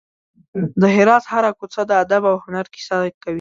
د هرات هره کوڅه د ادب او هنر کیسه کوي.